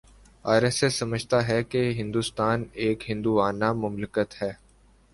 are S S سمجھتا ہے کہ ہندوستان ایک ہندووانہ مملکت ہے